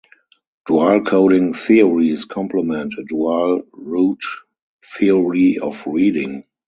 Dual-coding theories complement a dual-route theory of reading.